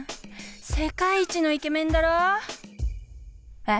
世界一のイケメンだろ？え？